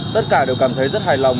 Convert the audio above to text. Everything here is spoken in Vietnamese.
tất cả đều cảm thấy rất hài lòng